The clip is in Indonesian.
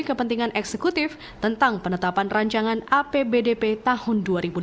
kepentingan eksekutif tentang penetapan rancangan apbdp tahun dua ribu delapan belas